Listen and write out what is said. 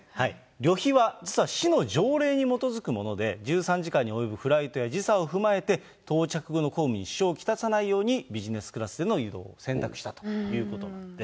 旅費は実は市の条例に基づくもので、１３時間に及ぶフライトや時差を踏まえて、到着後の公務に支障をきたさないように、ビジネスクラスでの移動を選択したということなんです。